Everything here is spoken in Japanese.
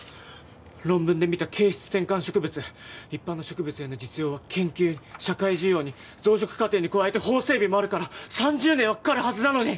論文で見た形質転換植物一般の植物への実用は研究社会需要に増殖過程に加えて法整備もあるから３０年はかかるはずなのに！